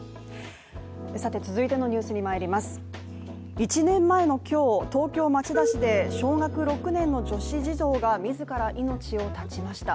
１年前の今日東京・町田市で小学校６年生の女子児童が自ら命を絶ちました。